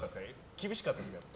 厳しかったですか？